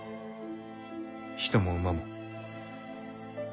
人も馬も。